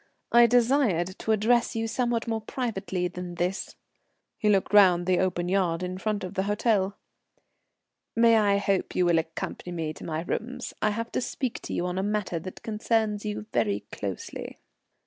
I desired to address you somewhat more privately than this." He looked round the open yard in front of the hotel. "May I hope you will accompany me to my rooms? I have to speak to you on a matter that concerns you very closely."